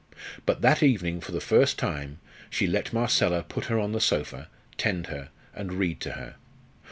But that evening, for the first time, she let Marcella put her on the sofa, tend her, and read to her.